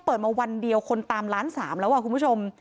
เปิดมาวันเดียวคนตามล้านสามแล้วคุณผู้ชม